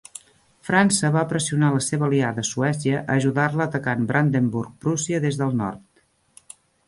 França va pressionar la seva aliada Suècia a ajudar-la atacant Brandenburg-Prússia des del nord.